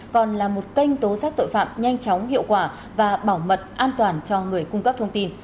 còn là một kênh tố giác tội phạm nhanh chóng hiệu quả và bảo mật an toàn cho người cung cấp thông tin